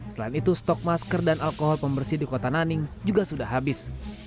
selain itu stok masker dan alkohol pembersih di kota nanning juga sudah habis